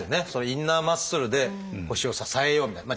インナーマッスルで腰を支えようみたいな。